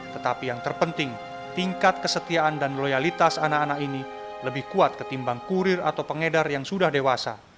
tetapi yang terpenting tingkat kesetiaan dan loyalitas anak anak ini lebih kuat ketimbang kurir atau pengedar yang sudah dewasa